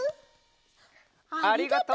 ありがとう！